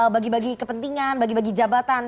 bagi bagi kepentingan bagi bagi jabatan